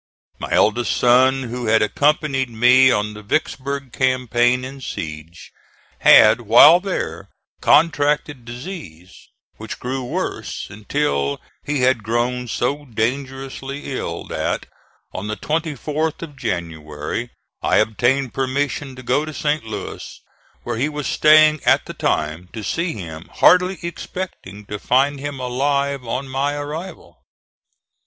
My eldest son, who had accompanied me on the Vicksburg campaign and siege, had while there contracted disease, which grew worse, until he had grown so dangerously ill that on the 24th of January I obtained permission to go to St. Louis, where he was staying at the time, to see him, hardly expecting to find him alive on my arrival.